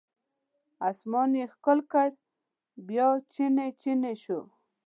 اسمان یې ښکل کړ بیا چینې، چینې شوه